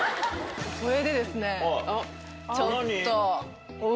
それでですねちょっと。